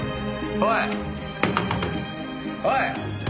おい！